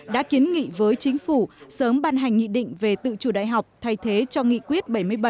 đã kiến nghị với chính phủ sớm ban hành nghị định về tự chủ đại học thay thế cho nghị quyết bảy mươi bảy